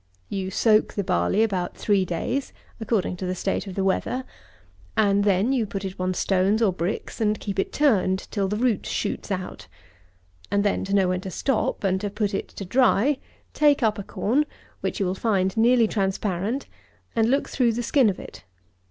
You soak the barley about three days (according to the state of the weather.) and then you put it upon stones or bricks and keep it turned, till the root shoots out; and then to know when to stop, and to put it to dry, take up a corn (which you will find nearly transparent) and look through the skin of it.